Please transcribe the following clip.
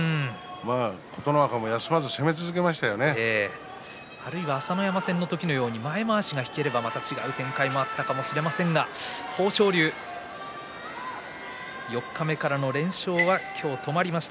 琴ノ若もあるいは朝乃山戦の時のように前まわしが引ければまた違う展開があったかもしれませんが豊昇龍、四日目からの連勝は今日止まりました。